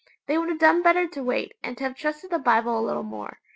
They would have done better to wait, and to have trusted the Bible a little more.